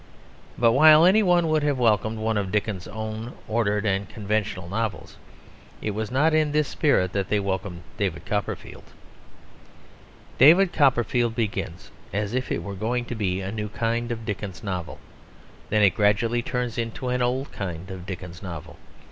But while any one would have welcomed one of Dickens's own ordered and conventional novels, it was not in this spirit that they welcomed David Copperfield. David Copperfield begins as if it were going to be a new kind of Dickens novel; then it gradually turns into an old kind of Dickens novel.